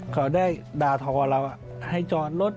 เขาได้ด่าทอเราให้จอดรถ